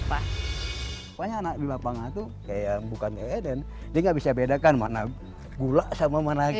pokoknya anak bimba pangatuh kayak yang bukan eeden dia gak bisa bedakan mana gula sama mana kabu